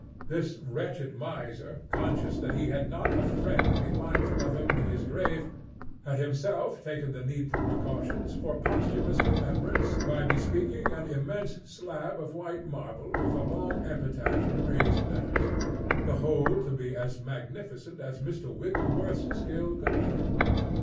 This wretched miser, conscious that he had not a friend to be mindful of him in his grave, had himself taken the needful precautions for posthumous remembrance by bespeaking an immense slab of white marble with a long epitaph in raised letters, the whole to be as magnificent as Mr. Wigglesworth's skill could make it.